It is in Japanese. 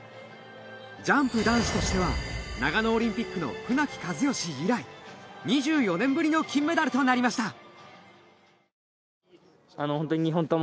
ジャンプ男子としては長野オリンピックの船木和喜以来２４年ぶりの金メダルとなりました！